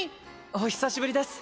お久しぶりです。